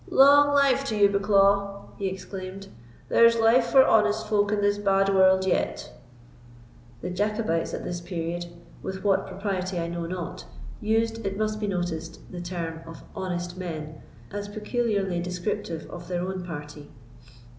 "Long life to you, Bucklaw!" he exclaimed; "there's life for honest folk in this bad world yet!" The Jacobites at this period, with what propriety I know not, used, it must be noticed, the term of honest men as peculiarly descriptive of their own party.